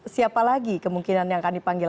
siapa lagi kemungkinan yang akan dipanggil